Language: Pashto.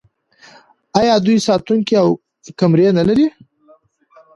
آیا دوی ساتونکي او کمرې نلري؟